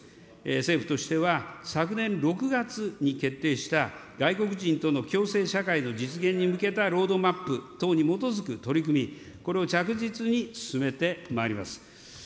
政府としては、昨年６月に決定した、外国人との共生社会の実現に向けたロードマップ等に基づく取り組み、これを着実に進めてまいります。